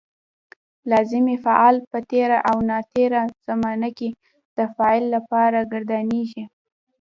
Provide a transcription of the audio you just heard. لازمي فعل په تېره او ناتېره زمانه کې د فاعل لپاره ګردانیږي.